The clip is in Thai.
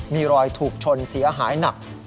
มีรอยถูกชนเสียหายหนัก